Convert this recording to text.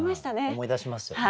思い出しますよね。